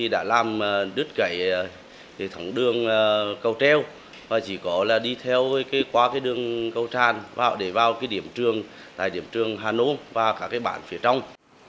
đã làm đứt cậy thẳng đường cầu treo và chỉ có là đi qua đường cầu tràn để vào điểm trường hà nội và cả bản phía trong